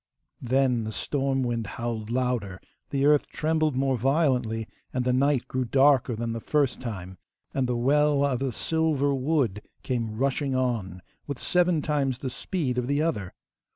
Then the storm wind howled louder, the earth trembled more violently, and the night grew darker, than the first time, and the Welwa of the silver wood came rushing on with seven times the speed of the other.